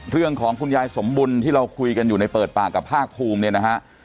คุณยายสมบุญที่เราคุยกันอยู่ในเปิดปากกับภาคภูมิเนี่ยนะฮะ